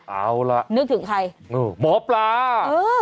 เอาล่ะนึกถึงใครเออหมอปลาเออ